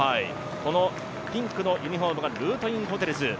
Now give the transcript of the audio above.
このピンクのユニフォームがルートインホテルズ。